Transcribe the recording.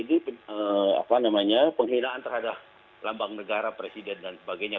ini penghinaan terhadap lambang negara presiden dan sebagainya